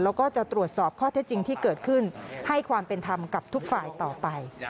แล้วก็จะตรวจสอบข้อเท็จจริงที่เกิดขึ้นให้ความเป็นธรรมกับทุกฝ่ายต่อไป